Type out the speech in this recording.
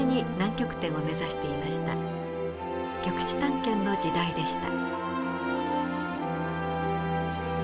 極地探検の時代でした。